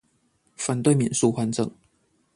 反對免術換證